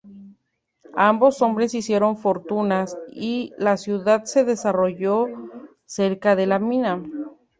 Ambos hombres hicieron fortunas y la ciudad se desarrolló cerca de la mina.